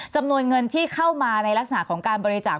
จำนวนเงินที่เข้ามาในลักษณะของการบริจาค